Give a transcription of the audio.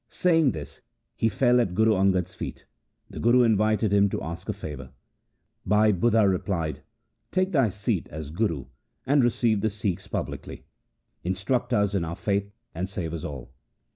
Saying this he fell at Guru Angad' s feet. The Guru invited him to ask a favour. Bhai Budha replied, ' Take thy seat as Guru and receive the Sikhs publicly. Instruct us in our faith, and save us all.'